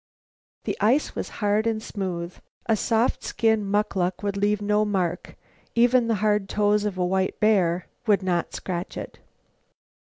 The ice was hard and smooth. A soft skin "muckluck" would leave no mark. Even the hard toes of a white bear would not scratch it.